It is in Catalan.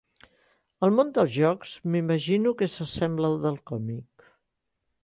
El món dels jocs m'imagino que s'assembla al del còmic.